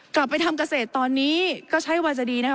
กลับไปทำเกษตรตอนนี้ก็ใช้วาจาดีนะคะ